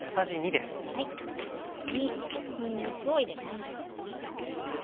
ここににんにくを入れます。